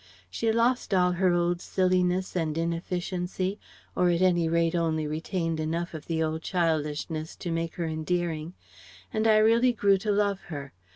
She lost all her old silliness and inefficiency or at any rate only retained enough of the old childishness to make her endearing. And I really grew to love her.